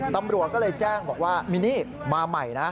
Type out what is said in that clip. ตำรวจก็เลยแจ้งบอกว่ามินนี่มาใหม่นะ